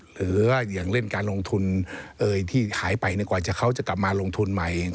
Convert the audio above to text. หรืออย่างเล่นการลงทุน